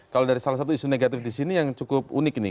kalau dari salah satu isu negatif di sini yang cukup unik ini